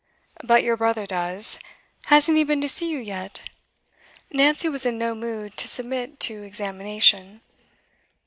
'But your brother does. Hasn't he been to see you yet?' Nancy was in no mood to submit to examination.